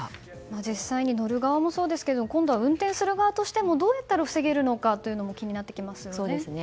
実際に乗る側もそうですけど運転する側としてもどうやったら防げるのかも気になるところですよね。